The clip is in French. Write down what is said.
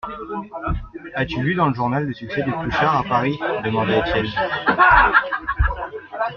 As-tu vu dans le journal le succès de Pluchart à Paris ? demanda enfin Étienne.